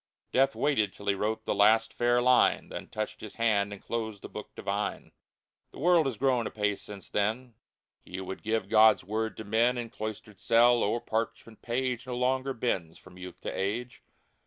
Death waited till he wrote the last fair line. Then touched his hand and closed the Book Divine ! The world has grown apace since then. He who would give GOD's word to men, In cloistered cell, o'er parchment page, No longer bends from youth to age.